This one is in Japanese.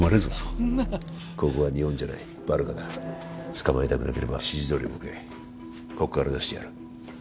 そんなここは日本じゃないバルカだ捕まりたくなければ指示どおり動けこっから出してやる